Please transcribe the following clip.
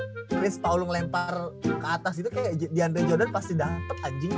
kalau chris paul ngelempar ke atas gitu kayak di andre jordan pasti dapet anjing